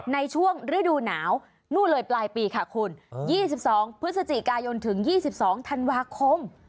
ในช่วงฤดูหนาวนู่นเลยปลายปีค่ะคุณยี่สิบสองพฤศจิกายนถึงยี่สิบสองธันวาคม